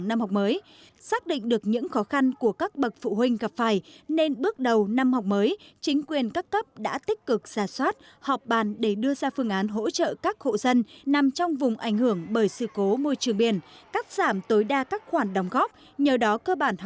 năm học mới đoàn lãnh đạo của tỉnh do đồng chí trong ban thường vụ tỉnh hủy dẫn đầu chia thành một mươi bảy đoàn